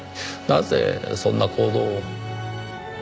なぜそんな行動を？